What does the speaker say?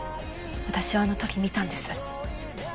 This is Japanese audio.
私はあのとき見たんです。